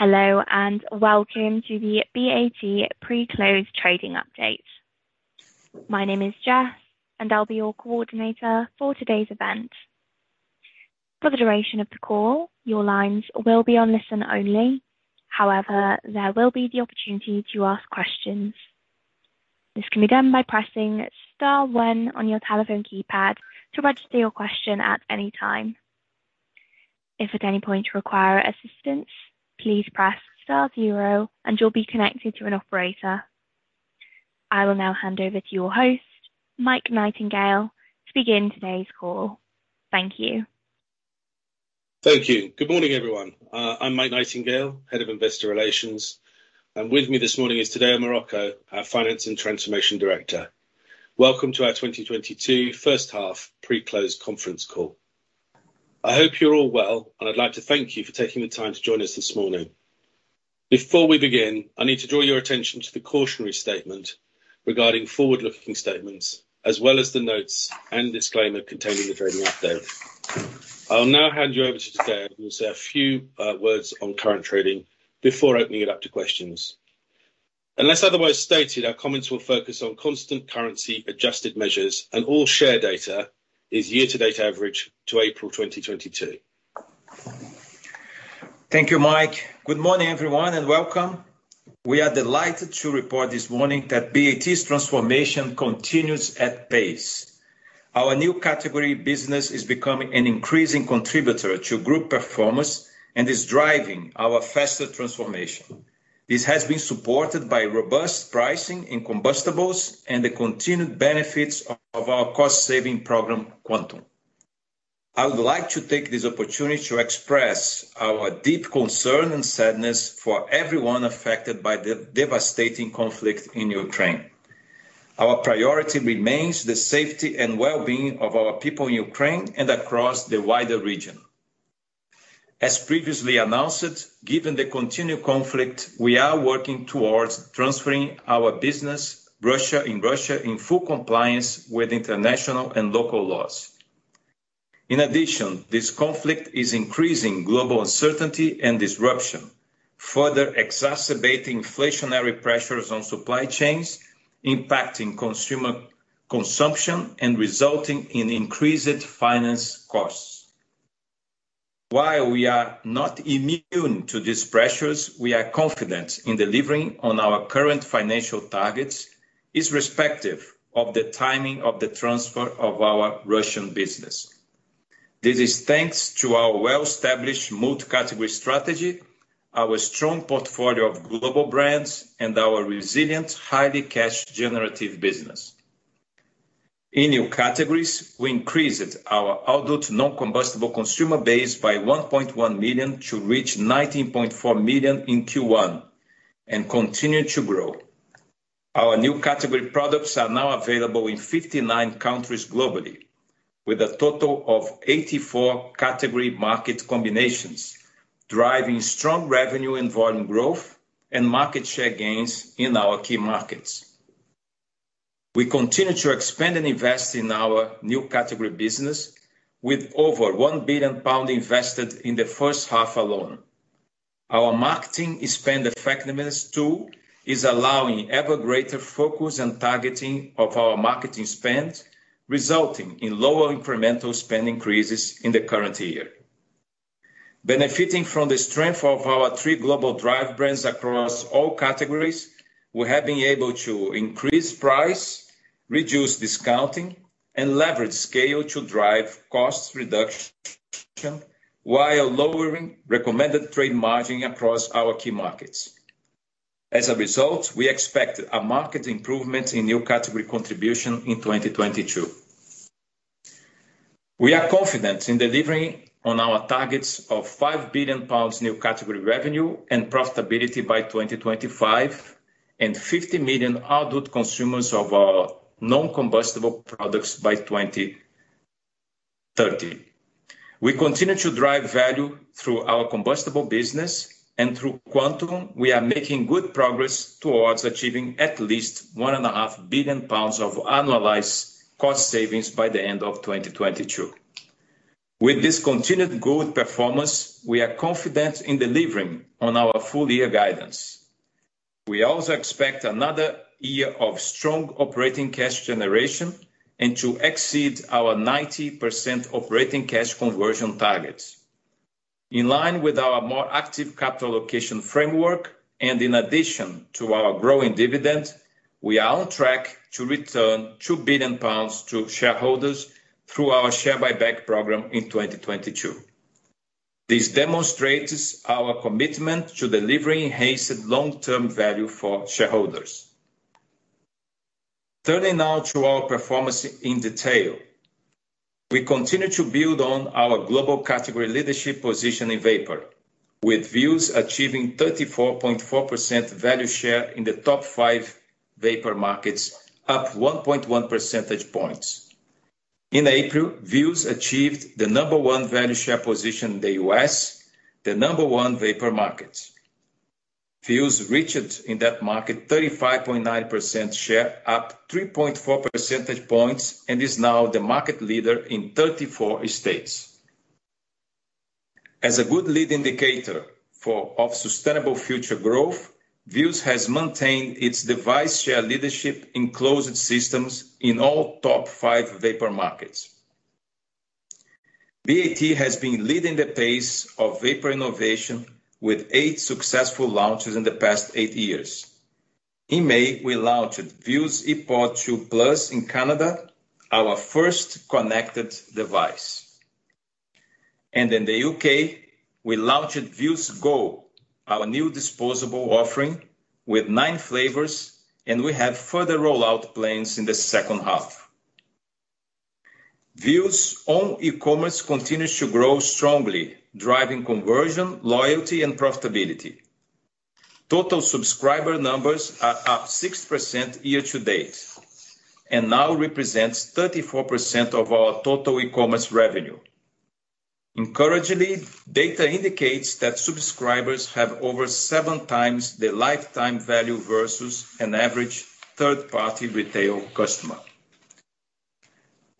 Hello and welcome to the BAT pre-close trading update. My name is Jess and I'll be your coordinator for today's event. For the duration of the call, your lines will be on listen only. However, there will be the opportunity to ask questions. This can be done by pressing star one on your telephone keypad to register your question at any time. If at any point you require assistance, please press star zero and you'll be connected to an operator. I will now hand over to your host, Mike Nightingale, to begin today's call. Thank you. Thank you. Good morning, everyone. I'm Mike Nightingale, Head of Investor Relations. With me this morning is Tadeu Marroco, our Finance and Transformation Director. Welcome to our 2022 first half pre-close conference call. I hope you're all well, and I'd like to thank you for taking the time to join us this morning. Before we begin, I need to draw your attention to the cautionary statement regarding forward-looking statements, as well as the notes and disclaimer contained in the trading update. I'll now hand you over to Tadeu, who will say a few words on current trading before opening it up to questions. Unless otherwise stated, our comments will focus on constant currency adjusted measures and all share data is year to date average to April 2022. Thank you, Mike. Good morning, everyone, and welcome. We are delighted to report this morning that BAT's transformation continues at pace. Our new category business is becoming an increasing contributor to group performance and is driving our faster transformation. This has been supported by robust pricing in combustibles and the continued benefits of our cost-saving program, Quantum. I would like to take this opportunity to express our deep concern and sadness for everyone affected by the devastating conflict in Ukraine. Our priority remains the safety and well-being of our people in Ukraine and across the wider region. As previously announced, given the continued conflict, we are working towards transferring our business in Russia in full compliance with international and local laws. In addition, this conflict is increasing global uncertainty and disruption, further exacerbating inflationary pressures on supply chains, impacting consumer consumption, and resulting in increased finance costs. While we are not immune to these pressures, we are confident in delivering on our current financial targets irrespective of the timing of the transfer of our Russian business. This is thanks to our well-established multi-category strategy, our strong portfolio of global brands, and our resilient, highly cash generative business. In new categories, we increased our adult non-combustible consumer base by 1.1 million to reach 19.4 million in Q1 and continue to grow. Our new category products are now available in 59 countries globally, with a total of 84 category market combinations, driving strong revenue and volume growth and market share gains in our key markets. We continue to expand and invest in our new category business with over 1 billion pounds invested in the first half alone. Our marketing spend effectiveness tool is allowing ever greater focus and targeting of our marketing spend, resulting in lower incremental spend increases in the current year. Benefiting from the strength of our three global drive brands across all categories, we have been able to increase price, reduce discounting, and leverage scale to drive cost reduction while lowering recommended trade margin across our key markets. As a result, we expect a market improvement in new category contribution in 2022. We are confident in delivering on our targets of 5 billion pounds new category revenue and profitability by 2025, and 50 million adult consumers of our non-combustible products by 2030. We continue to drive value through our combustible business and through Quantum, we are making good progress towards achieving at least 1.5 billion pounds of annualized cost savings by the end of 2022. With this continued good performance, we are confident in delivering on our full year guidance. We also expect another year of strong operating cash generation and to exceed our 90% operating cash conversion targets. In line with our more active capital allocation framework, and in addition to our growing dividend, we are on track to return 2 billion pounds to shareholders through our share buyback program in 2022. This demonstrates our commitment to delivering enhanced long-term value for shareholders. Turning now to our performance in detail. We continue to build on our global category leadership position in vapor, with Vuse achieving 34.4% value share in the top five vapor markets, up 1.1 percentage points. In April, Vuse achieved the number one value share position in the U.S., the number one vapor market. Vuse reached in that market 35.9% share, up 3.4 percentage points, and is now the market leader in 34 states. As a good lead indicator for of sustainable future growth, Vuse has maintained its device share leadership in closed systems in all top five vapor markets. BAT has been leading the pace of vapor innovation with eight successful launches in the past eight years. In May, we launched Vuse ePod 2+ in Canada, our first connected device. In the U.K., we launched Vuse Go, our new disposable offering with nine flavors, and we have further rollout plans in the second half. Vuse's own e-commerce continues to grow strongly, driving conversion, loyalty, and profitability. Total subscriber numbers are up 6% year-to-date, and now represents 34% of our total e-commerce revenue. Encouragingly, data indicates that subscribers have over seven times the lifetime value versus an average third-party retail customer.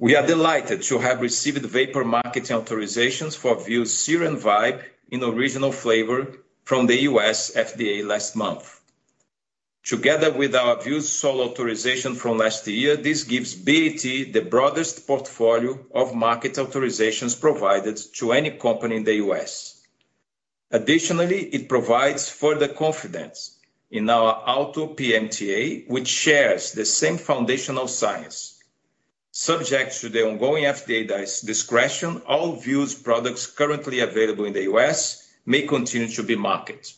We are delighted to have received vapor market authorizations for Vuse Ciro and Vuse Vibe in Original flavor from the U.S. FDA last month. Together with our Vuse Solo authorization from last year, this gives BAT the broadest portfolio of market authorizations provided to any company in the U.S. Additionally, it provides further confidence in our Alto PMTA, which shares the same foundational science. Subject to the ongoing FDA discretion, all Vuse products currently available in the U.S. may continue to be marketed.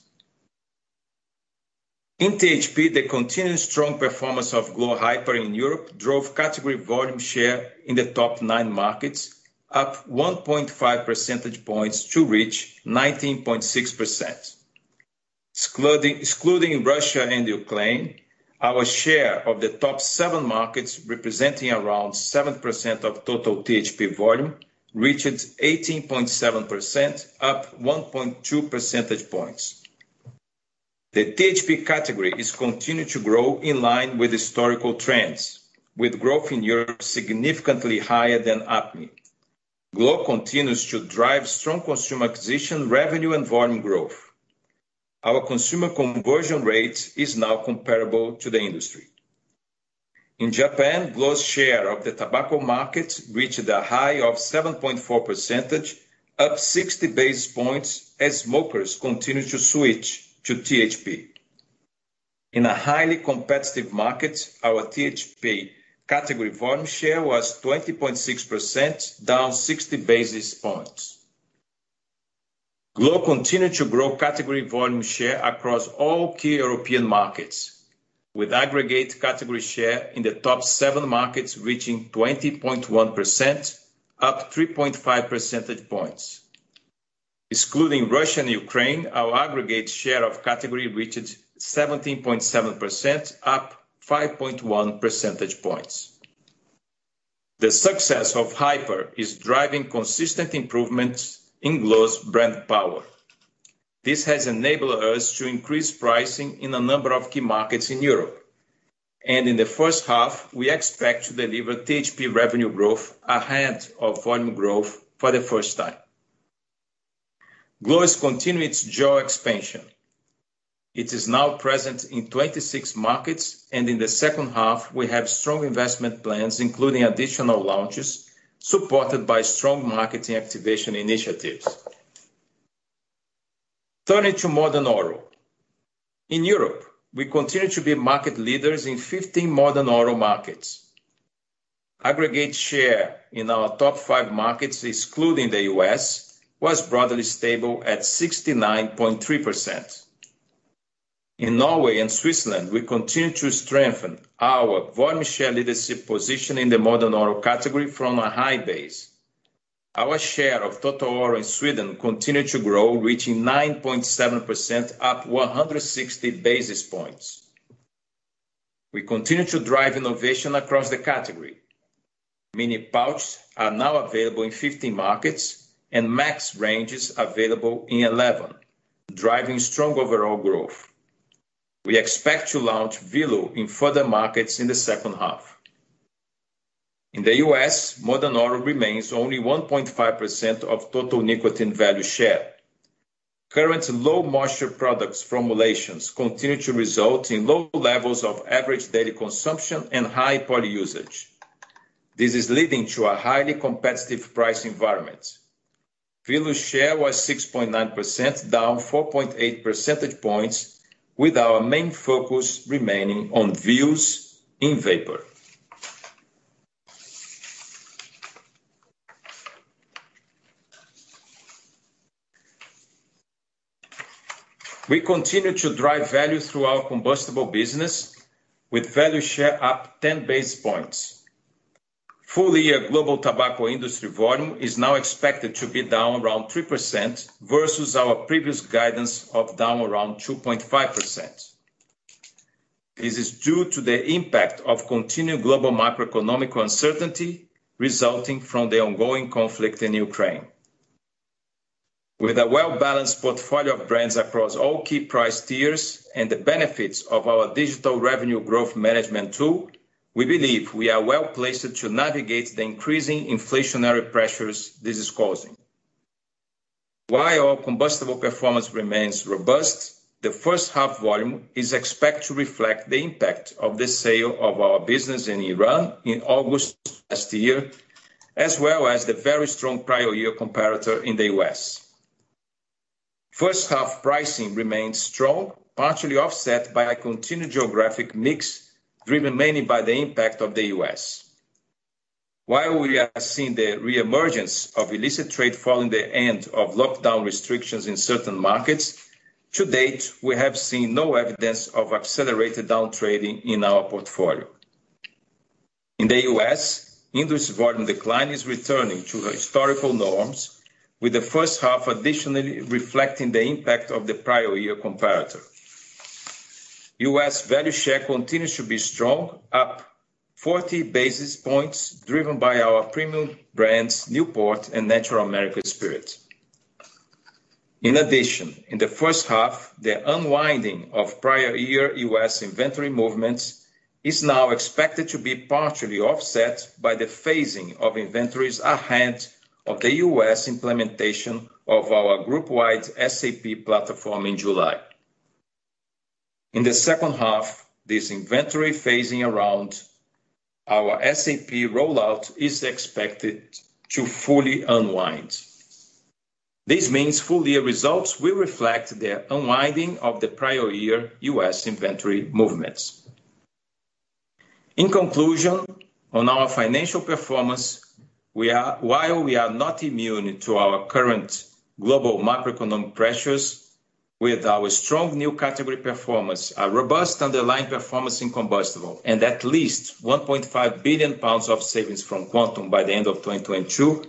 In THP, the continued strong performance of glo Hyper in Europe drove category volume share in the top nine markets, up 1.5 percentage points to reach 19.6%. Excluding Russia and Ukraine, our share of the top seven markets, representing around 7% of total THP volume, reached 18.7%, up 1.2 percentage points. The THP category has continued to grow in line with historical trends, with growth in Europe significantly higher than APMI. Glo continues to drive strong consumer acquisition, revenue, and volume growth. Our consumer conversion rate is now comparable to the industry. In Japan, Glo's share of the tobacco market reached a high of 7.4%, up 60 basis points, as smokers continued to switch to THP. In a highly competitive market, our THP category volume share was 20.6%, down 60 basis points. Glo continued to grow category volume share across all key European markets, with aggregate category share in the top seven markets reaching 20.1%, up 3.5 percentage points. Excluding Russia and Ukraine, our aggregate share of category reached 17.7%, up 5.1 percentage points. The success of Hyper is driving consistent improvements in Glo's brand power. This has enabled us to increase pricing in a number of key markets in Europe. In the first half, we expect to deliver THP revenue growth ahead of volume growth for the first time. Glo is continuing its geo expansion. It is now present in 26 markets, and in the second half, we have strong investment plans, including additional launches, supported by strong marketing activation initiatives. Turning to Modern Oral. In Europe, we continue to be market leaders in 15 Modern Oral markets. Aggregate share in our top five markets, excluding the U.S., was broadly stable at 69.3%. In Norway and Switzerland, we continue to strengthen our volume share leadership position in the Modern Oral category from a high base. Our share of total oral in Sweden continued to grow, reaching 9.7%, up 160 basis points. We continue to drive innovation across the category. Mini pouches are now available in 15 markets, and Max ranges available in 11, driving strong overall growth. We expect to launch Velo in further markets in the second half. In the US, Modern Oral remains only 1.5% of total nicotine value share. Current low-moisture product formulations continue to result in low levels of average daily consumption and high pouch usage. This is leading to a highly competitive price environment. Velo's share was 6.9%, down 4.8 percentage points, with our main focus remaining on Vuse in vapor. We continue to drive value through our combustible business, with value share up 10 basis points. Full-year global tobacco industry volume is now expected to be down around 3% versus our previous guidance of down around 2.5%. This is due to the impact of continued global macroeconomic uncertainty resulting from the ongoing conflict in Ukraine. With a well-balanced portfolio of brands across all key price tiers and the benefits of our digital revenue growth management tool, we believe we are well-placed to navigate the increasing inflationary pressures this is causing. While our combustible performance remains robust, the first half volume is expected to reflect the impact of the sale of our business in Iran in August last year, as well as the very strong prior year comparator in the U.S. First half pricing remains strong, partially offset by a continued geographic mix, driven mainly by the impact of the U.S. While we are seeing the re-emergence of illicit trade following the end of lockdown restrictions in certain markets, to date, we have seen no evidence of accelerated down trading in our portfolio. In the U.S., industry volume decline is returning to historical norms, with the first half additionally reflecting the impact of the prior year comparator. U.S. value share continues to be strong, up 40 basis points, driven by our premium brands, Newport and Natural American Spirit. In addition, in the first half, the unwinding of prior year U.S. inventory movements is now expected to be partially offset by the phasing of inventories ahead of the U.S. implementation of our group-wide SAP platform in July. In the second half, this inventory phasing around our SAP rollout is expected to fully unwind. This means full year results will reflect the unwinding of the prior year U.S. inventory movements. In conclusion, on our financial performance, we are, while we are not immune to our current global macroeconomic pressures, with our strong new category performance, our robust underlying performance in combustibles, and at least 1.5 billion pounds of savings from Quantum by the end of 2022,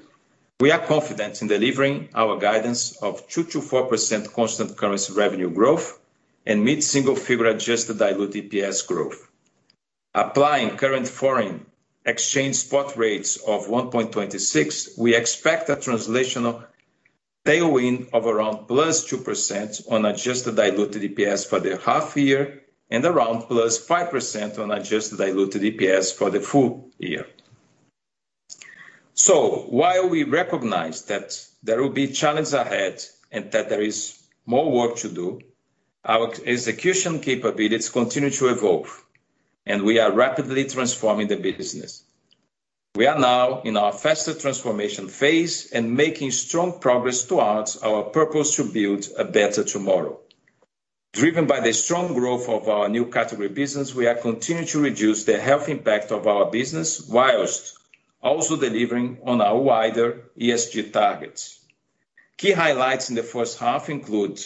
we are confident in delivering our guidance of 2%-4% constant currency revenue growth and mid-single figure adjusted diluted EPS growth. Applying current foreign exchange spot rates of 1.26, we expect a translational tailwind of around +2% on adjusted diluted EPS for the half year and around +5% on adjusted diluted EPS for the full year. While we recognize that there will be challenges ahead and that there is more work to do, our execution capabilities continue to evolve, and we are rapidly transforming the business. We are now in our faster transformation phase and making strong progress towards our purpose to build a better tomorrow. Driven by the strong growth of our new category business, we are continuing to reduce the health impact of our business while also delivering on our wider ESG targets. Key highlights in the first half include,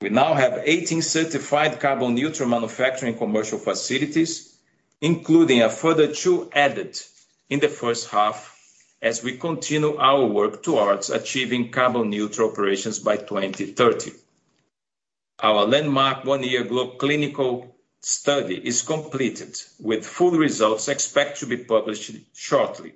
we now have 18 certified carbon-neutral manufacturing commercial facilities, including a further two added in the first half as we continue our work towards achieving carbon-neutral operations by 2030. Our landmark one-year glo clinical study is completed, with full results expected to be published shortly.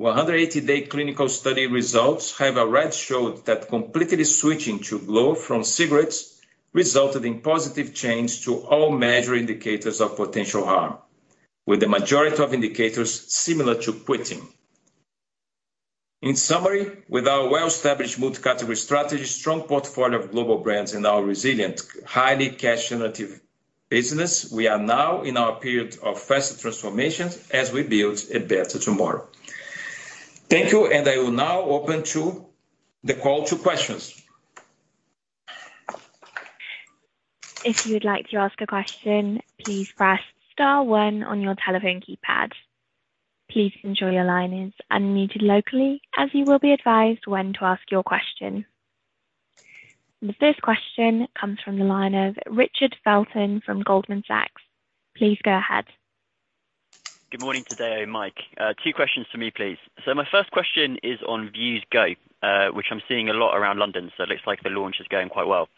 180-day clinical study results have already showed that completely switching to glo from cigarettes resulted in positive change to all measure indicators of potential harm, with the majority of indicators similar to quitting. In summary, with our well-established multi-category strategy, strong portfolio of global brands, and our resilient, highly cash generative business, we are now in our period of faster transformations as we build a better tomorrow. Thank you, and I will now open to the call to questions. If you would like to ask a question, please press star one on your telephone keypad. Please ensure your line is unmuted locally, as you will be advised when to ask your question. The first question comes from the line of Richard Felton from Goldman Sachs. Please go ahead. Good morning, Tadeu, Mike. Two questions from me, please. My first question is on Vuse Go, which I'm seeing a lot around London, so it looks like the launch is going quite well.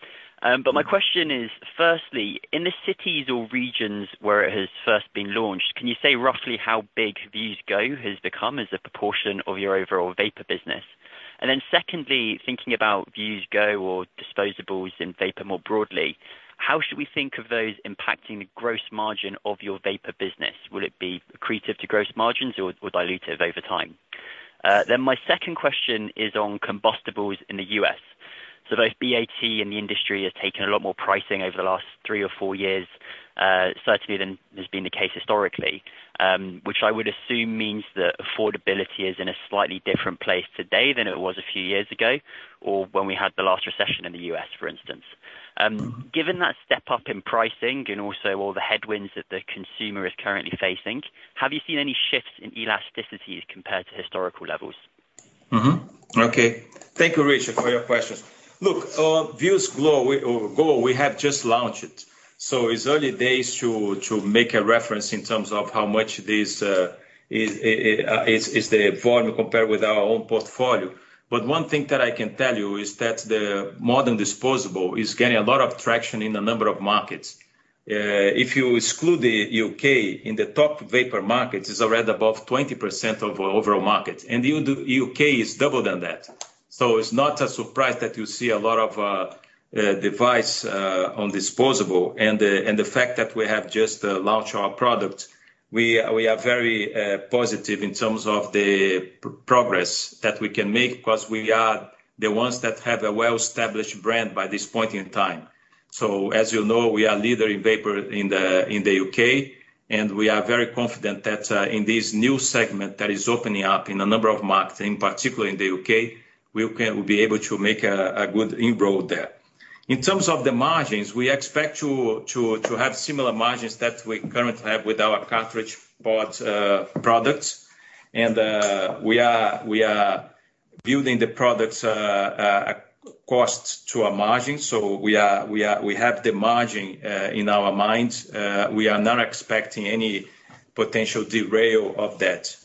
My question is, firstly, in the cities or regions where it has first been launched, can you say roughly how big Vuse Go has become as a proportion of your overall Vapour business? And then secondly, thinking about Vuse Go or disposables in Vapour more broadly, how should we think of those impacting the gross margin of your Vapour business? Will it be accretive to gross margins or dilutive over time? My second question is on combustibles in the U.S. Both BAT and the industry has taken a lot more pricing over the last three or four years, certainly than has been the case historically, which I would assume means that affordability is in a slightly different place today than it was a few years ago or when we had the last recession in the U.S., for instance. Given that step up in pricing and also all the headwinds that the consumer is currently facing, have you seen any shifts in elasticities compared to historical levels? Okay. Thank you, Richard, for your questions. Look, Vuse Go, we have just launched, so it's early days to make a reference in terms of how much this is the volume compared with our own portfolio. One thing that I can tell you is that the modern disposable is gaining a lot of traction in a number of markets. If you exclude the U.K., in the top Vapour markets, it's already above 20% of our overall market. U.K. is double than that. It's not a surprise that you see a lot of device on disposable. The fact that we have just launched our product, we are very positive in terms of the progress that we can make, 'cause we are the ones that have a well-established brand by this point in time. As you know, we are leader in Vapour in the U.K., and we are very confident that in this new segment that is opening up in a number of markets, in particular in the U.K., we'll be able to make a good inroad there. In terms of the margins, we expect to have similar margins that we currently have with our cartridge pod products. We are building the products cost to our margin. We have the margin in our minds. We are not expecting any potential derail of that.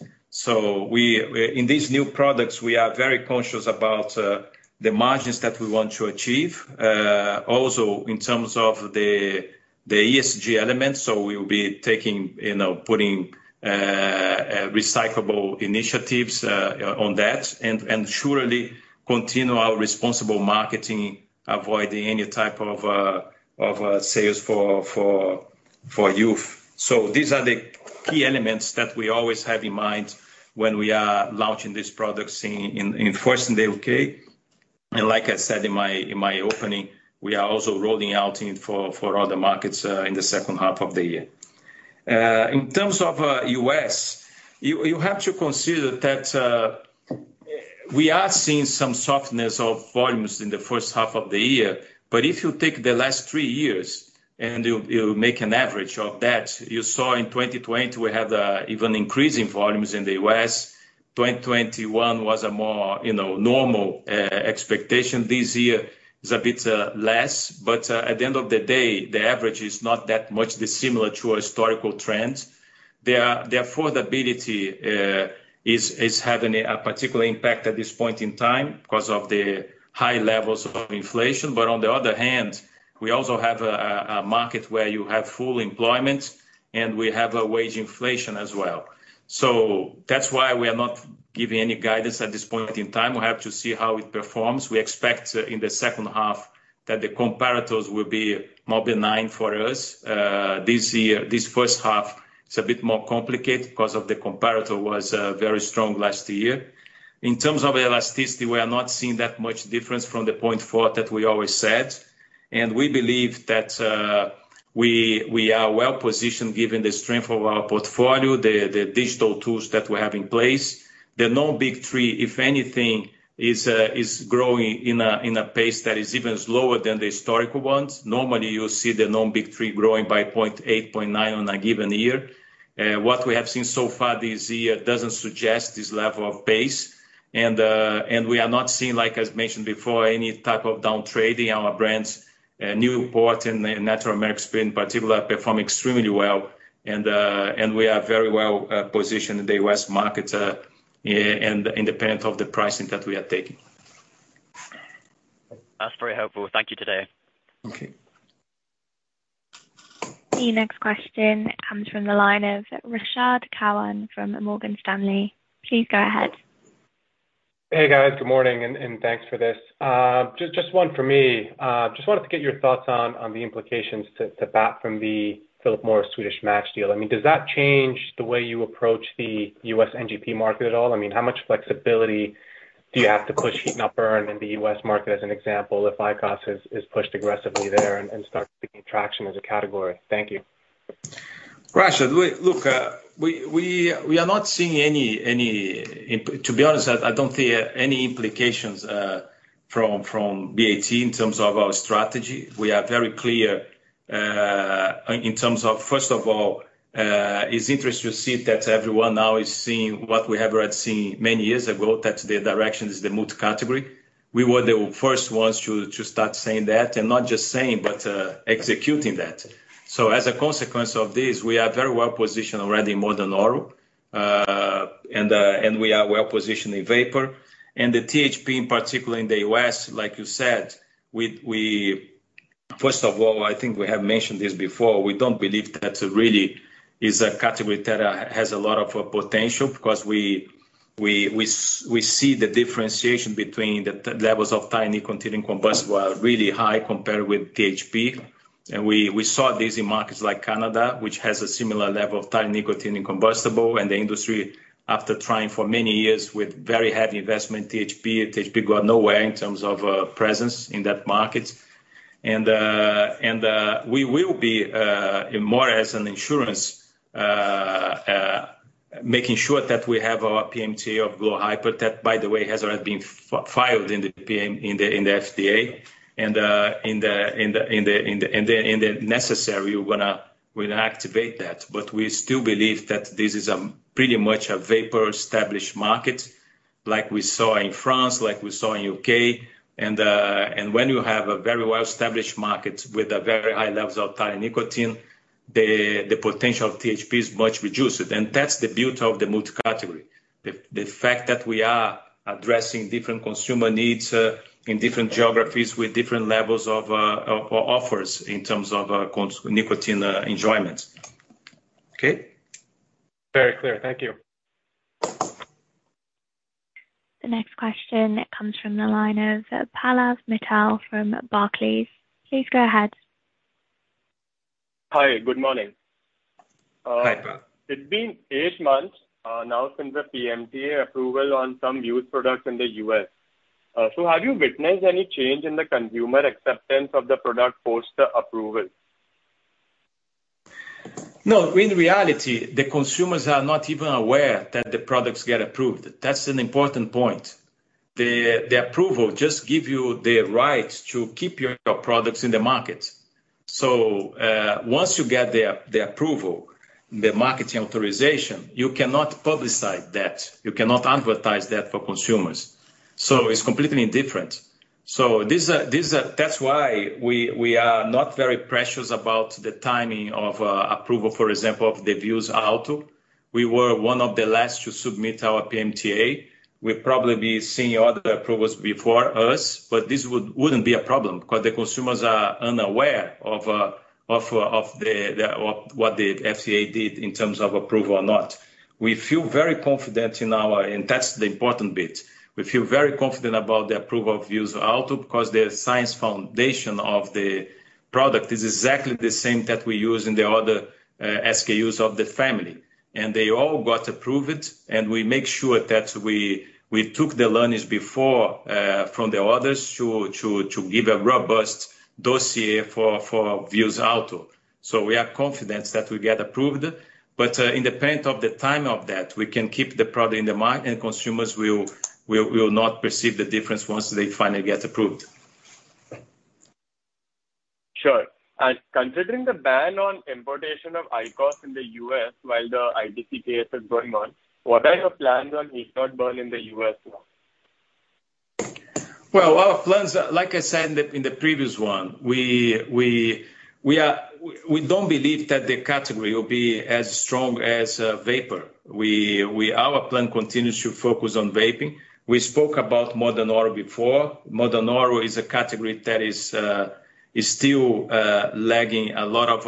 In these new products, we are very conscious about the margins that we want to achieve. Also in terms of the ESG elements, we'll be taking, you know, putting recyclable initiatives on that, and surely continue our responsible marketing, avoiding any type of sales for youth. These are the key elements that we always have in mind when we are launching these products in first in the U.K. Like I said in my opening, we are also rolling out for other markets in the second half of the year. In terms of U.S., you have to consider that, we are seeing some softness of volumes in the first half of the year. If you take the last three years and you make an average of that, you saw in 2020 we had even increasing volumes in the U.S. 2021 was a more, you know, normal expectation. This year is a bit less. At the end of the day, the average is not that much dissimilar to historical trends. The affordability is having a particular impact at this point in time because of the high levels of inflation. On the other hand, we also have a market where you have full employment and we have a wage inflation as well. That's why we are not giving any guidance at this point in time. We have to see how it performs. We expect in the second half that the comparators will be more benign for us. This year, this first half is a bit more complicated 'cause the comparator was very strong last year. In terms of elasticity, we are not seeing that much difference from the point forward that we always said. We believe that we are well positioned given the strength of our portfolio, the digital tools that we have in place. The non-big three, if anything, is growing in a pace that is even slower than the historical ones. Normally, you'll see the non-big three growing by 0.8%, 0.9% on a given year. What we have seen so far this year doesn't suggest this level of pace. We are not seeing, like as mentioned before, any type of downtrading. Our brands, Newport and Natural American Spirit in particular perform extremely well. We are very well positioned in the U.S. market, independent of the pricing that we are taking. That's very helpful. Thank you, Tadeu. Okay. The next question comes from the line of Rashad Kawan from Morgan Stanley. Please go ahead. Hey, guys. Good morning, and thanks for this. Just one for me. Just wanted to get your thoughts on the implications to BAT from the Philip Morris Swedish Match deal. I mean, does that change the way you approach the U.S. NGP market at all? I mean, how much flexibility do you have to push heat-not-burn in the U.S. market, as an example, if IQOS is pushed aggressively there and starts gaining traction as a category? Thank you. Rashad, we are not seeing any implications. To be honest, I don't see any implications from BAT in terms of our strategy. We are very clear in terms of, first of all, it's interesting to see that everyone now is seeing what we have already seen many years ago, that the direction is the multi-category. We were the first ones to start saying that, and not just saying, but executing that. As a consequence of this, we are very well positioned already in Modern Oral, and we are well positioned in Vapour. The THP, in particular in the U.S., like you said, first of all, I think we have mentioned this before, we don't believe that really is a category that has a lot of potential, because we see the differentiation between the levels of tax on nicotine combustibles are really high compared with THP. We saw this in markets like Canada, which has a similar level of tax on nicotine combustibles. The industry, after trying for many years with very heavy investment in THP got nowhere in terms of presence in that market. We will be more as an insurance, making sure that we have our PMTA of Glo Hyper, that, by the way, has already been filed in the FDA. In the necessary, we're gonna activate that. But we still believe that this is pretty much a vapor-established market. Like we saw in France, like we saw in the U.K. When you have a very well-established market with a very high levels of tar and nicotine, the potential of THP is much reduced. That's the beauty of the multi-category. The fact that we are addressing different consumer needs in different geographies with different levels of offers in terms of nicotine enjoyment. Okay? Very clear. Thank you. The next question comes from the line of Gaurav Jain from Barclays. Please go ahead. Hi, good morning. Hi, Gaurav. It's been eight months now since the PMTA approval on some Vuse products in the U.S. Have you witnessed any change in the consumer acceptance of the product post the approval? No. In reality, the consumers are not even aware that the products get approved. That's an important point. The approval just give you the right to keep your products in the market. Once you get the approval, the marketing authorization, you cannot publicize that. You cannot advertise that for consumers. It's completely different. That's why we are not very precious about the timing of approval, for example, of the Vuse Alto. We were one of the last to submit our PMTA. We'll probably be seeing other approvals before us, but this wouldn't be a problem 'cause the consumers are unaware of what the FDA did in terms of approval or not. We feel very confident in our and that's the important bit. We feel very confident about the approval of Vuse Alto 'cause the science foundation of the product is exactly the same that we use in the other SKUs of the family. They all got approved, and we make sure that we took the learnings before from the others to give a robust dossier for Vuse Alto. We are confident that we get approved. Independent of the time of that, we can keep the product in the market and consumers will not perceive the difference once they finally get approved. Sure. Considering the ban on importation of IQOS in the U.S. while the ITC case is going on, what are your plans on heat-not-burn in the U.S. now? Well, our plans, like I said in the previous one, we don't believe that the category will be as strong as vapor. Our plan continues to focus on vaping. We spoke about Modern Oral before. Modern Oral is a category that is still lagging a lot of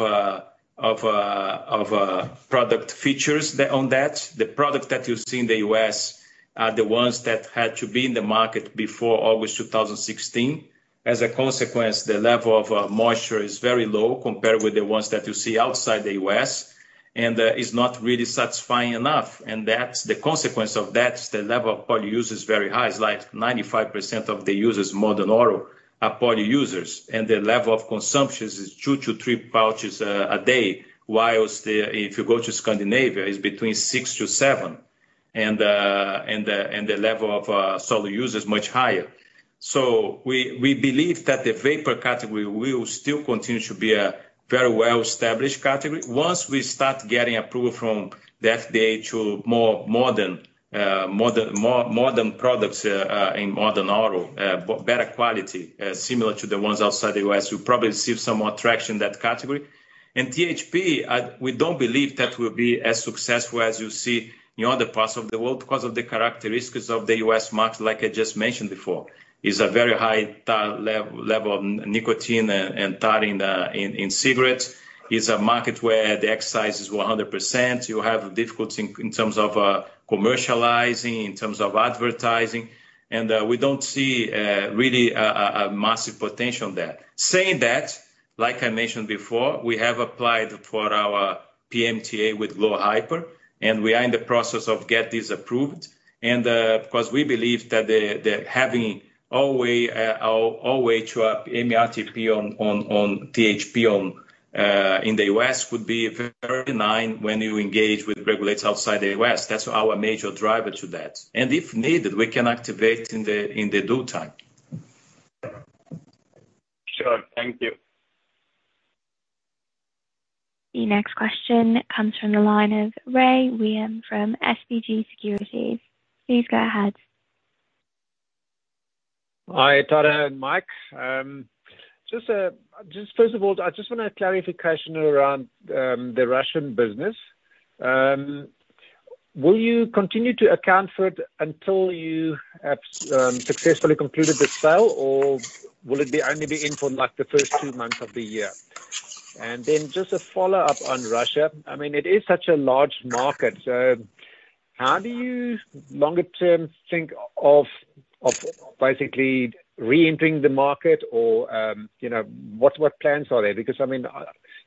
product features on that. The products that you see in the U.S. are the ones that had to be in the market before August 2016. As a consequence, the level of moisture is very low compared with the ones that you see outside the U.S., and is not really satisfying enough. That's the consequence of that, the level of poly users is very high. It's like 95% of the users Modern Oral are poly users, and their level of consumption is two to three pouches a day, while if you go to Scandinavia, it's between six to seven. The level of solo users is much higher. We believe that the Vapour category will still continue to be a very well-established category. Once we start getting approval from the FDA to more modern products in Modern Oral, better quality, similar to the ones outside the U.S., you'll probably see some more traction in that category. THP, we don't believe that will be as successful as you see in other parts of the world 'cause of the characteristics of the U.S. market, like I just mentioned before. It's a very high tar level of nicotine and tar in cigarettes. It's a market where the excise is 100%. You have difficulties in terms of commercializing, in terms of advertising. We don't see really a massive potential there. Saying that, like I mentioned before, we have applied for our PMTA with glo Hyper, and we are in the process of getting this approved. 'Cause we believe that the having our way to a MRTP on THP in the U.S. would be very benign when you engage with regulators outside the U.S. That's our major driver to that. If needed, we can activate in the due time. Sure. Thank you. The next question comes from the line of Rey Wium from SBG Securities. Please go ahead. Hi, Tadeu and Mike. First of all, I want a clarification around the Russian business. Will you continue to account for it until you have successfully completed the sale or will it only be in for like the first two months of the year? Then just a follow-up on Russia. I mean, it is such a large market. How do you longer term think of basically re-entering the market or, you know, what plans are there? Because, I mean,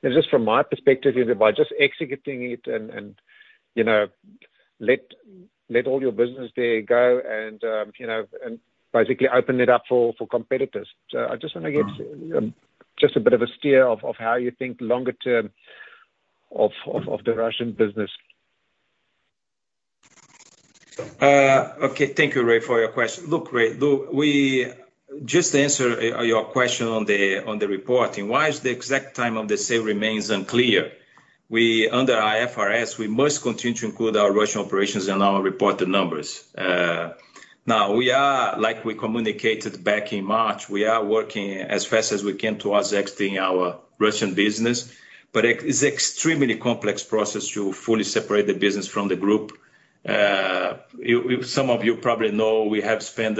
just from my perspective, you know, by just exiting it and, you know, and basically open it up for competitors. I just wanna get just a bit of a steer of the Russian business. Okay. Thank you, Rey, for your question. Look, Rey, just to answer your question on the reporting, why is the exact time of the sale remains unclear? We under IFRS, we must continue to include our Russian operations in our reported numbers. Now we are, like we communicated back in March, we are working as fast as we can towards exiting our Russian business. But it's extremely complex process to fully separate the business from the group. Some of you probably know we have spent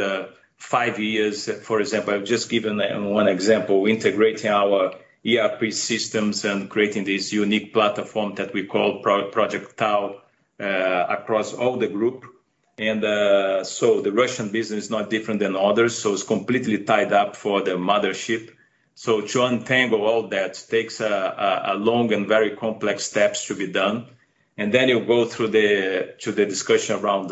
five years, for example, I've just given one example, integrating our ERP systems and creating this unique platform that we call Project TaO across all the group. So the Russian business is not different than others, so it's completely tied up for the mothership. To untangle all that takes a long and very complex steps to be done. Then you go through to the discussion around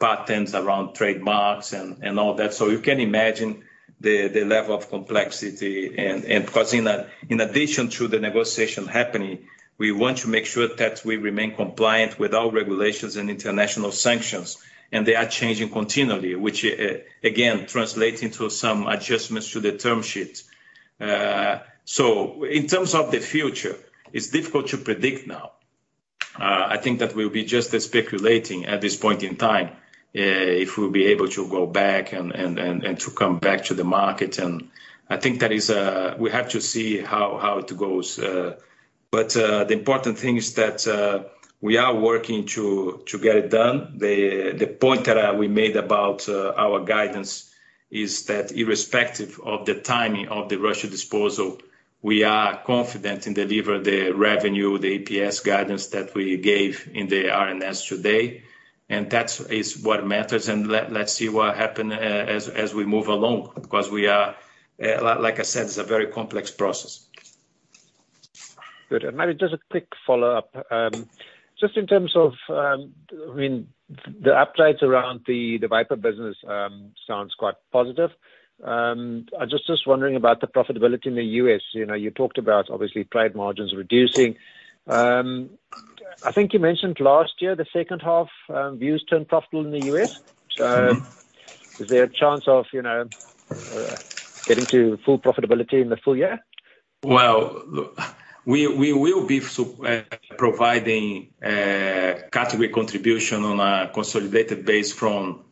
patents, around trademarks and all that. You can imagine the level of complexity and because in addition to the negotiation happening, we want to make sure that we remain compliant with all regulations and international sanctions. They are changing continually, which again translating to some adjustments to the term sheet. In terms of the future, it's difficult to predict now. I think that we'll be just speculating at this point in time if we'll be able to go back and to come back to the market. I think that is we have to see how it goes. The important thing is that we are working to get it done. The point that we made about our guidance is that irrespective of the timing of the Russia disposal, we are confident in deliver the revenue, the EPS guidance that we gave in the RNS today. That is what matters, and let's see what happen as we move along, because we are, like I said, it's a very complex process. Good. Maybe just a quick follow-up. Just in terms of, I mean, the uptakes around the vapor business, sounds quite positive. I just was wondering about the profitability in the U.S. You know, you talked about obviously trade margins reducing. I think you mentioned last year, the second half, Vuse turned profitable in the U.S. Mm-hmm. Is there a chance of, you know, getting to full profitability in the full year? We will be providing category contribution on a consolidated base from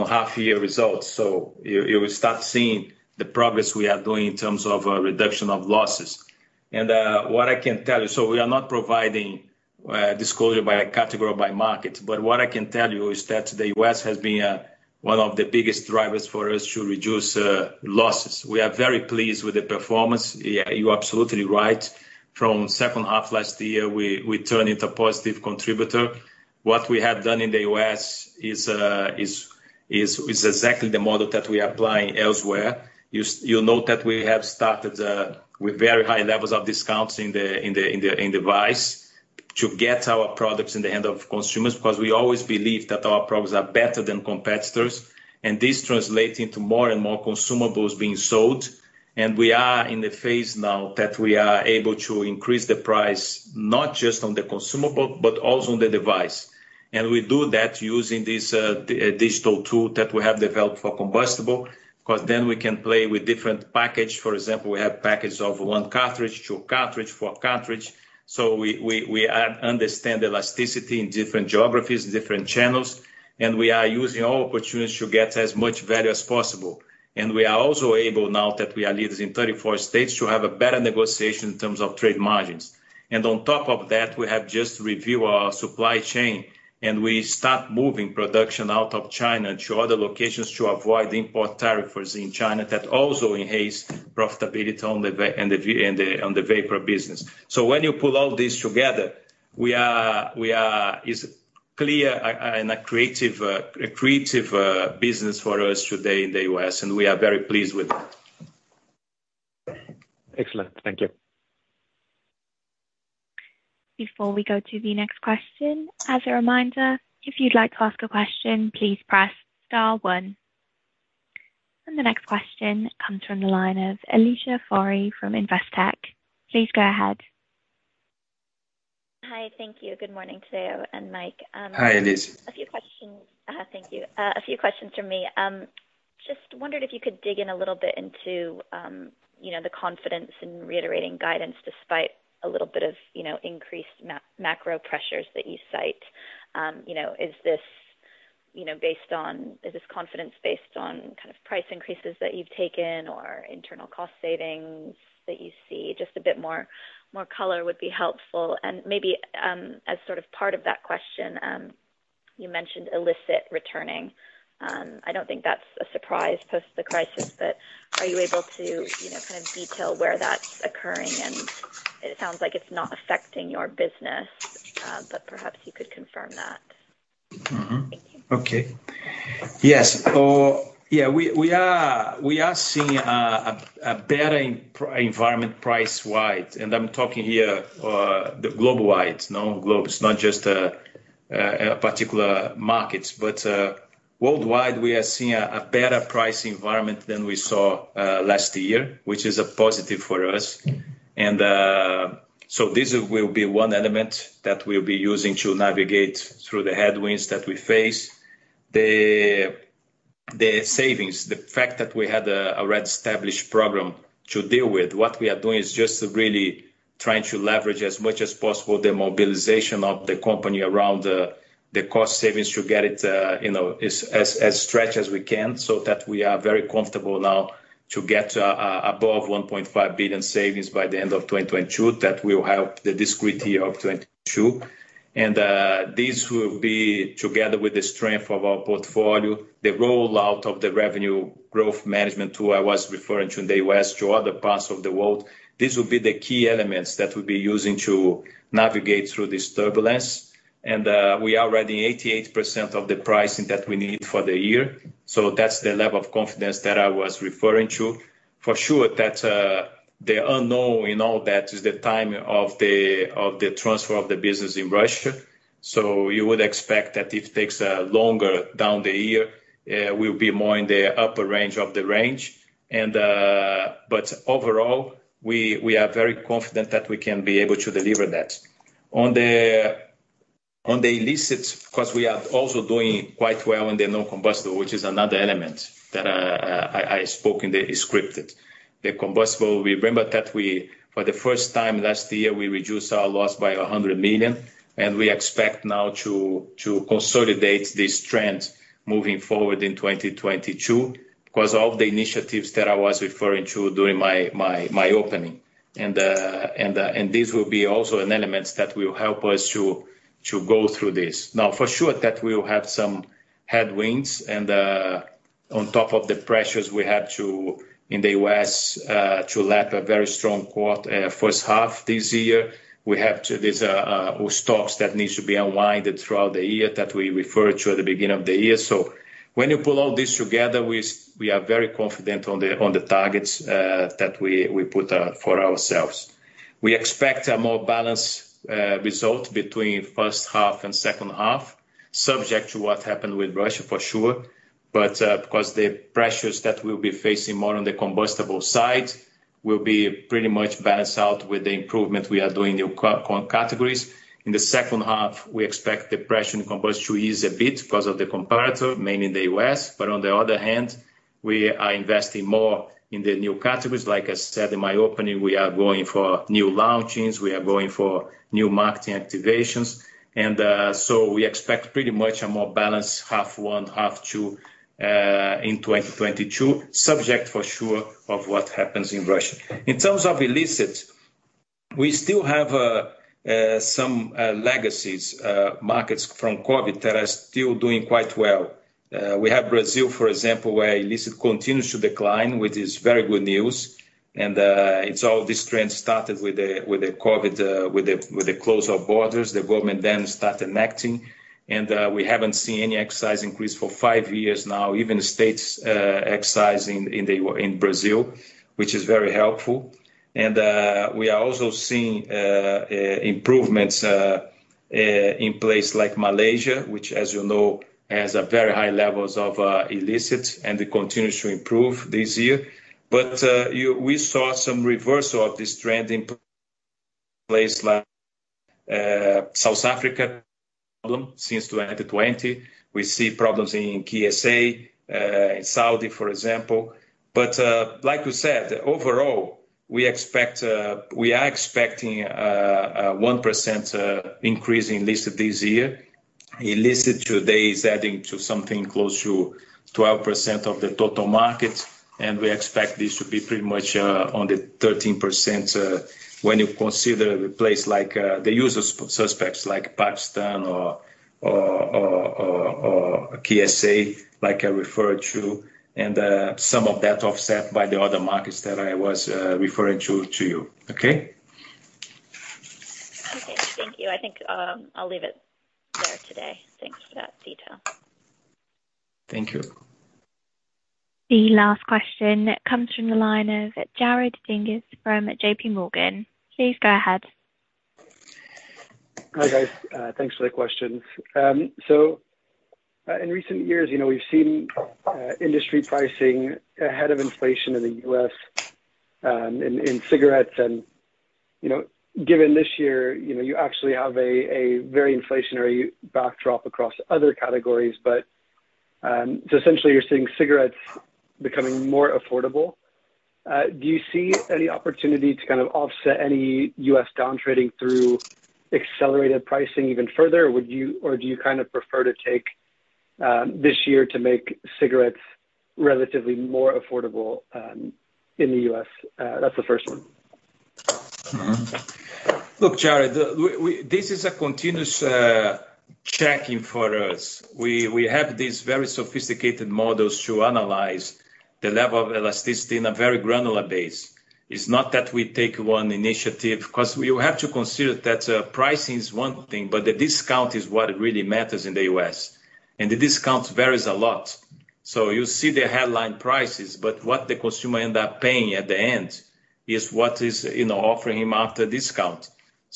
half year results. You will start seeing the progress we are doing in terms of reduction of losses. What I can tell you, so we are not providing disclosure by category or by market, but what I can tell you is that the U.S. has been one of the biggest drivers for us to reduce losses. We are very pleased with the performance. Yeah, you're absolutely right. From second half last year, we turned into positive contributor. What we have done in the U.S. is exactly the model that we are applying elsewhere. You note that we have started with very high levels of discounts in the end device to get our products in the hand of consumers, because we always believe that our products are better than competitors. This translate into more and more consumables being sold. We are in the phase now that we are able to increase the price, not just on the consumable, but also on the device. We do that using this digital tool that we have developed for combustibles, 'cause then we can play with different package. For example, we have package of one cartridge, two cartridge, four cartridge. We understand the elasticity in different geographies, different channels, and we are using all opportunities to get as much value as possible. We are also able now that we are leaders in 34 states to have a better negotiation in terms of trade margins. On top of that, we have just reviewed our supply chain, and we started moving production out of China to other locations to avoid import tariffs in China that also enhance profitability on the Vapour business. When you pull all this together, we are. It's clear and a creative business for us today in the U.S., and we are very pleased with that. Excellent. Thank you. Before we go to the next question, as a reminder, if you'd like to ask a question, please press star one. The next question comes from the line of Alicia Forry from Investec. Please go ahead. Hi. Thank you. Good morning, Tadeu and Mike. Hi, Alicia. A few questions. Thank you. A few questions from me. Just wondered if you could dig in a little bit into, you know, the confidence in reiterating guidance despite a little bit of, you know, increased macro pressures that you cite. You know, is this confidence based on kind of price increases that you've taken or internal cost savings that you see? Just a bit more color would be helpful. Maybe, as sort of part of that question, you mentioned illicit returning. I don't think that's a surprise post the crisis, but are you able to, you know, kind of detail where that's occurring? It sounds like it's not affecting your business, but perhaps you could confirm that. Mm-hmm. Thank you. Okay. Yes. Yeah, we are seeing a better environment price-wise. I'm talking here globally. Globally. It's not just particular markets, but worldwide, we are seeing a better price environment than we saw last year, which is a positive for us. This will be one element that we'll be using to navigate through the headwinds that we face. The savings, the fact that we had a well-established program to deal with, what we are doing is just really trying to leverage as much as possible the mobilization of the company around the cost savings to get it, you know, as stretched as we can so that we are very comfortable now to get above 1.5 billion savings by the end of 2022. That will help the fiscal year of 2022. This will be together with the strength of our portfolio, the rollout of the revenue growth management tool I was referring to in the U.S. to other parts of the world. These will be the key elements that we'll be using to navigate through this turbulence. We are already 88% of the pricing that we need for the year. That's the level of confidence that I was referring to. For sure, the unknown in all that is the timing of the transfer of the business in Russia. You would expect that it takes longer down the year. We'll be more in the upper range of the range. Overall, we are very confident that we can be able to deliver that. On the illicit, because we are also doing quite well in the non-combustibles, which is another element that I spoke in the scripted. The combustibles, remember that we, for the first time last year, we reduced our loss by 100 million, and we expect now to consolidate this trend moving forward in 2022 because of the initiatives that I was referring to during my opening. This will be also an element that will help us to go through this. Now, for sure that we will have some headwinds and, on top of the pressures we had to in the U.S., to lap a very strong quarter, first half this year. We have to. These stocks that needs to be unwound throughout the year that we referred to at the beginning of the year. When you pull all this together, we are very confident on the targets that we put for ourselves. We expect a more balanced result between first half and second half, subject to what happened with Russia for sure. Because the pressures that we'll be facing more on the combustibles side will be pretty much balanced out with the improvement we are doing in new categories. In the second half, we expect the pressure in combustibles to ease a bit because of the comparator, mainly in the U.S. On the other hand, we are investing more in the new categories. Like I said in my opening, we are going for new launchings, we are going for new marketing activations. We expect pretty much a more balanced half one, half two in 2022, subject for sure to what happens in Russia. In terms of illicit, we still have some legacy markets from COVID that are still doing quite well. We have Brazil, for example, where illicit continues to decline, which is very good news. This trend started with the COVID, with the close of borders. The government then started acting, and we haven't seen any excise increase for five years now, even states excising in Brazil, which is very helpful. We are also seeing improvements in places like Malaysia, which as you know, has a very high levels of illicit, and it continues to improve this year. We saw some reversal of this trend in places like South Africa since 2020. We see problems in KSA, in Saudi, for example. Like you said, overall, we are expecting a 1% increase in illicit this year. Illicit today is adding to something close to 12% of the total market, and we expect this to be pretty much on the 13%, when you consider places like the usual suspects like Pakistan or KSA, like I referred to, and some of that offset by the other markets that I was referring to you. Okay. Okay. Thank you. I think, I'll leave it there today. Thanks for that detail. Thank you. The last question comes from the line of Jared Dinges. Please go ahead. Hi, guys. Thanks for the questions. In recent years, you know, we've seen industry pricing ahead of inflation in the U.S., in cigarettes and, you know, given this year, you know, you actually have a very inflationary backdrop across other categories. Essentially you're seeing cigarettes becoming more affordable. Do you see any opportunity to kind of offset any U.S. downtrading through accelerated pricing even further? Or do you kind of prefer to take this year to make cigarettes relatively more affordable in the U.S.? That's the first one. Look, Jared, we. This is a continuous checking for us. We have these very sophisticated models to analyze the level of elasticity in a very granular basis. It's not that we take one initiative because we have to consider that, pricing is one thing, but the discount is what really matters in the U.S., and the discount varies a lot. You see the headline prices, but what the consumer end up paying at the end is what is, you know, offering him after discount.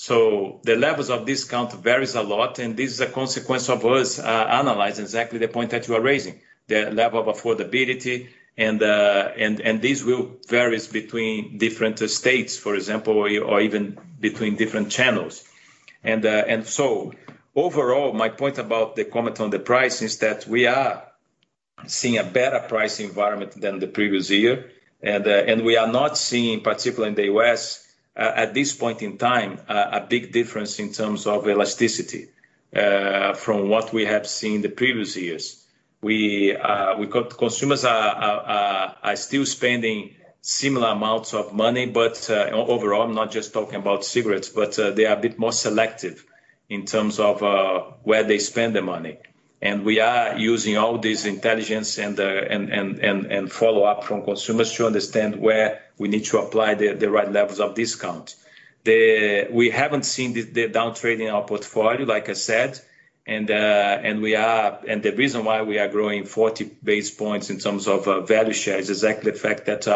The levels of discount vary a lot, and this is a consequence of us analyzing exactly the point that you are raising, the level of affordability and this will vary between different states, for example, or even between different channels. Overall, my point about the comment on the price is that we are seeing a better price environment than the previous year. We are not seeing, particularly in the U.S., at this point in time, a big difference in terms of elasticity from what we have seen in the previous years. Consumers are still spending similar amounts of money, but overall, I'm not just talking about cigarettes, but they are a bit more selective in terms of where they spend their money. We are using all this intelligence and follow up from consumers to understand where we need to apply the right levels of discount. We haven't seen the downtrend in our portfolio, like I said. The reason why we are growing 40 basis points in terms of value share is exactly the fact that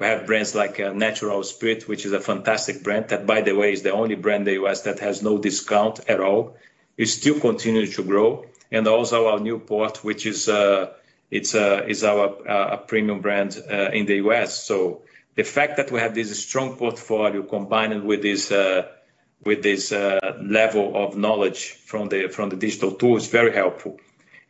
we have brands like Natural American Spirit, which is a fantastic brand. That, by the way, is the only brand in the U.S. that has no discount at all. It's still continuing to grow. Also our Newport, which is our premium brand in the U.S. The fact that we have this strong portfolio combined with this level of knowledge from the digital tool is very helpful.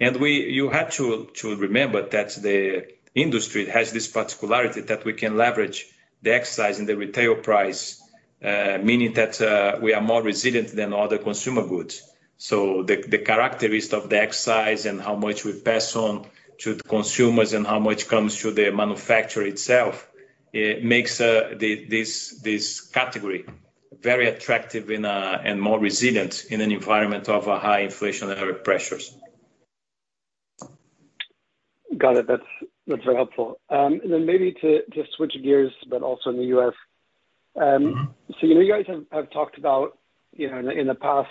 You have to remember that the industry has this particularity that we can leverage the excise and the retail price, meaning that we are more resilient than other consumer goods. The characteristic of the excise and how much we pass on to the consumers and how much comes to the manufacturer itself, it makes this category very attractive and more resilient in an environment of a high inflation and other pressures. Got it. That's very helpful. Maybe to switch gears, but also in the U.S. Mm-hmm. You know, you guys have talked about, you know, in the past,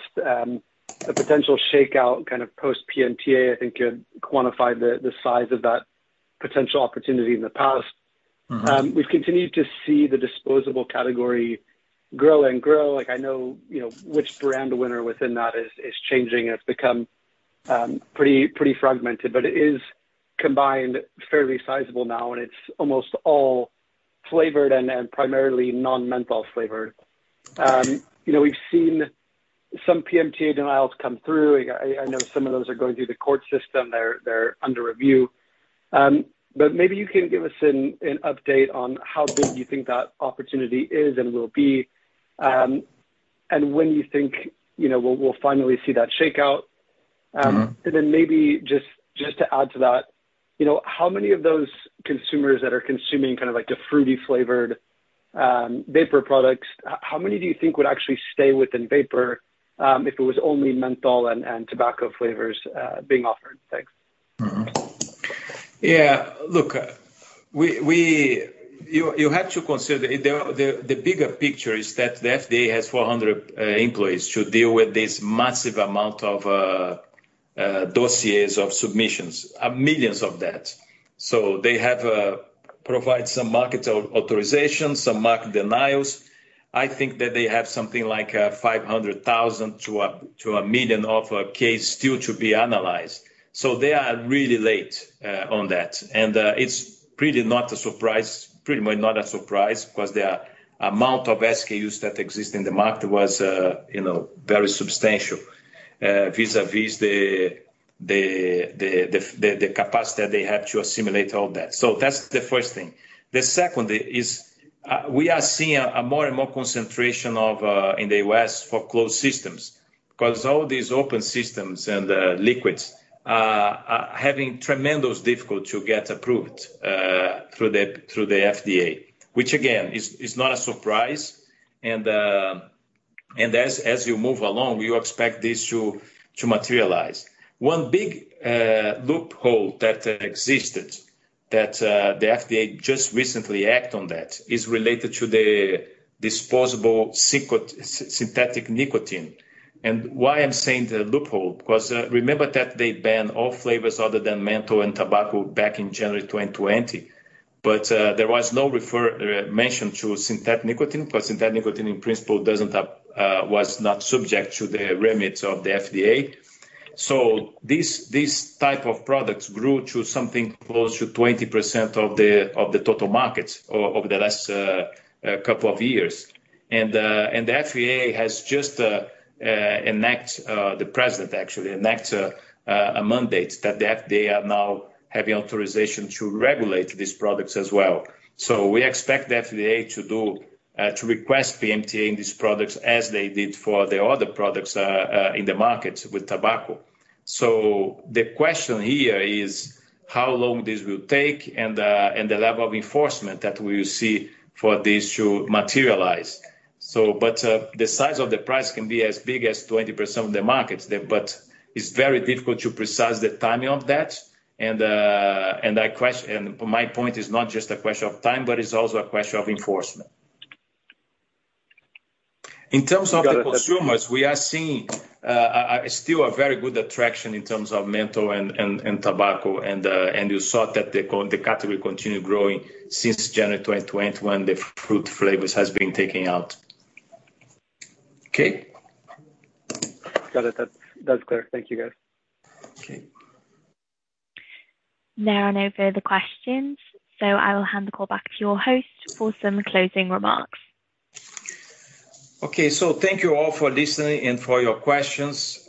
the potential shakeout kind of post-PMTA. I think you quantified the size of that potential opportunity in the past. Mm-hmm. We've continued to see the disposable category grow. Like I know, you know, which brand winner within that is changing and it's become pretty fragmented, but it is combined fairly sizable now, and it's almost all flavored and primarily non-menthol flavored. You know, we've seen some PMTA denials come through. I know some of those are going through the court system. They're under review. Maybe you can give us an update on how big you think that opportunity is and will be, and when you think, you know, we'll finally see that shakeout. Mm-hmm. Maybe just to add to that, you know, how many of those consumers that are consuming kind of like the fruity flavored Vapor products, how many do you think would actually stay within Vapor, if it was only menthol and tobacco flavors being offered? Thanks. Look, you have to consider the bigger picture is that the FDA has 400 employees to deal with this massive amount of dossiers of submissions, millions of that. So they have provided some market authorization, some market denials. I think that they have something like 500,000 to a million cases still to be analyzed. They are really late on that. It's really not a surprise, pretty much not a surprise 'cause the amount of SKUs that exist in the market was, you know, very substantial vis-a-vis the capacity that they have to assimilate all that. That's the first thing. The second is, we are seeing more and more concentration in the U.S. for closed systems. Because all these open systems and liquids are having tremendous difficulty to get approved through the FDA, which again is not a surprise. As you move along, you expect this to materialize. One big loophole that existed that the FDA just recently acted on that is related to the disposable synthetic nicotine. Why I'm saying the loophole, because remember that they banned all flavors other than menthol and tobacco back in January 2020, but there was no mention to synthetic nicotine, but synthetic nicotine in principle was not subject to the remit of the FDA. This type of products grew to something close to 20% of the total market over the last couple of years. The FDA has just enacted the president actually enacted a mandate that the FDA are now having authorization to regulate these products as well. We expect the FDA to request PMTA in these products as they did for the other products in the market with tobacco. The question here is how long this will take and the level of enforcement that we will see for this to materialize. The size of the prize can be as big as 20% of the market, but it's very difficult to predict the timing of that. My point is not just a question of time, but it's also a question of enforcement. In terms of the consumers, we are seeing still a very good attraction in terms of menthol and tobacco. You saw that the category continued growing since January 2020 when the fruit flavors has been taken out. Okay. Got it. That's clear. Thank you, guys. Okay. There are no further questions, so I will hand the call back to your host for some closing remarks. Okay. Thank you all for listening and for your questions.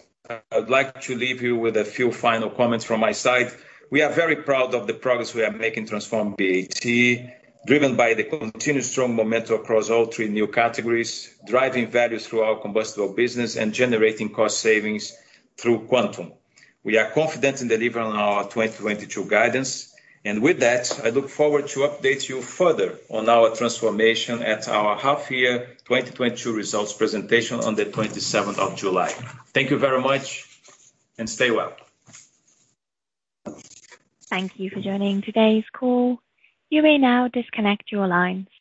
I'd like to leave you with a few final comments from my side. We are very proud of the progress we are making transforming BAT, driven by the continuous strong momentum across all three new categories, driving value through our combustibles business and generating cost savings through Quantum. We are confident in delivering on our 2022 guidance, and with that, I look forward to update you further on our transformation at our half year 2022 results presentation on the 27th of July. Thank you very much and stay well. Thank you for joining today's call. You may now disconnect your lines.